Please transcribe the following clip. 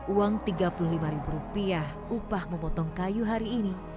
uang tiga puluh lima ribu rupiah upah memotong kayu hari ini